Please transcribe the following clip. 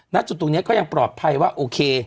ณจุดตรงนี้ก็ยังปลอดภัยว่าโอเค